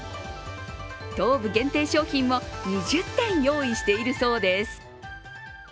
東武限定商品も２０点用意しているそうです。